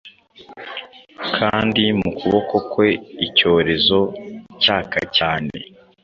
Kandi mu kuboko kwe icyorezo cyaka cyane;